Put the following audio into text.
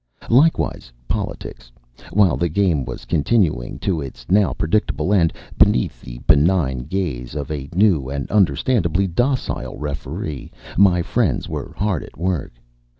Likewise politics. While the game was continuing to its now predictable end, beneath the be nign gaze of a new and under standably docile referee, my friends were hard at work.